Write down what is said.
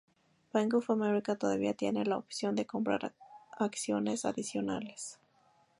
Bank of America todavía tiene la opción de comprar acciones adicionales.